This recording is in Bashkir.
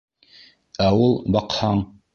Ә ул баҡһаң...